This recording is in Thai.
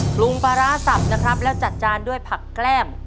ปรุงปลาร้าสับนะครับแล้วจัดจานด้วยผักแกล้ม